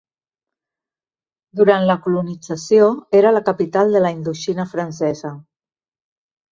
Durant la colonització, era la capital de la Indoxina Francesa.